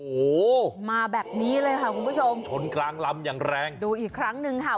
โอ้โหมาแบบนี้เลยค่ะคุณผู้ชมชนกลางลำอย่างแรงดูอีกครั้งหนึ่งค่ะ